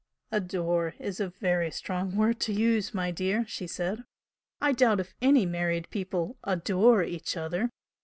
"'Adore' is a very strong word to use, my dear!" she said "I doubt if any married people 'adore' each other!